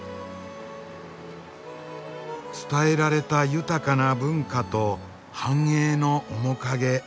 伝えられた豊かな文化と繁栄の面影。